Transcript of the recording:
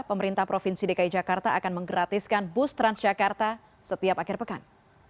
pemerintah provinsi dki jakarta akan menggratiskan bus transjakarta setiap akhir pekan